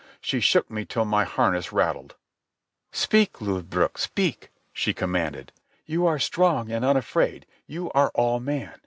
She shook me till my harness rattled. "Speak, Lodbrog, speak!" she commanded. "You are strong and unafraid. You are all man.